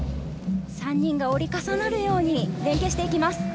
３人が折り重なるように連係していきます。